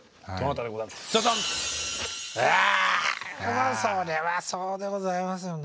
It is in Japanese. うわそれはそうでございますよね。